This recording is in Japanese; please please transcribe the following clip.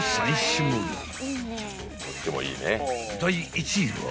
［第１位は］